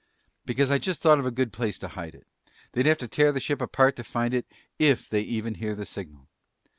"Because I just thought of a good place to hide it. They'd have to tear the ship apart to find it, if they even hear the signal!"